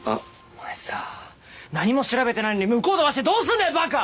お前さ何も調べてないのに向こう飛ばしてどうすんだよバカ！